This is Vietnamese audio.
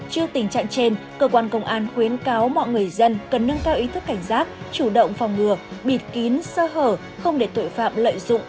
trước tình trạng trên cơ quan công an khuyến cáo mọi người dân cần nâng cao ý thức cảnh giác chủ động phòng ngừa bịt kín sơ hở không để tội phạm lợi dụng